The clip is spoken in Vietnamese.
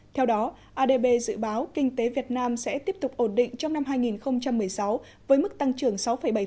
theo đó adb dự báo kinh tế việt nam sẽ tiếp tục ổn định trong năm hai nghìn một mươi sáu với mức tăng trưởng sáu bảy